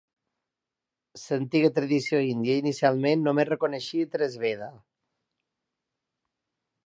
L'antiga tradició índia inicialment només reconeixia tres Veda.